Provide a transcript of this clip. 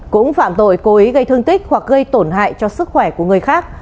cũng phạm tội cố ý gây thương tích hoặc gây tổn hại cho sức khỏe của người khác